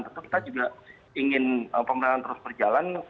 tentu kita juga ingin pemerintahan terus berjalan